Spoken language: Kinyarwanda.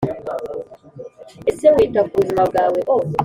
Ese wita ku buzima bwawe O